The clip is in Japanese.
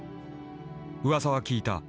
「うわさは聞いた。